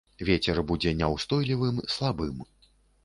Вецер будзе няўстойлівым, слабым.